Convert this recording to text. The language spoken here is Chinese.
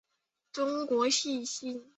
中国细辛